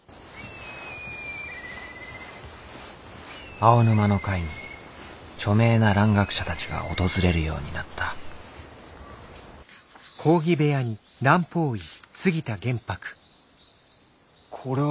青沼の会に著名な蘭学者たちが訪れるようになったこれは。